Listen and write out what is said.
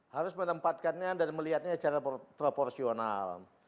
harus menempatkannya dan melihatnya secara proporsional